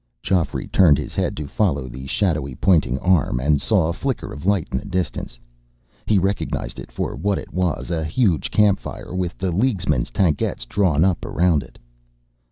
Geoffrey turned his head to follow the shadowy pointing arm, and saw a flicker of light in the distance. He recognized it for what it was; a huge campfire, with the Leaguesmen's tankettes drawn up around it.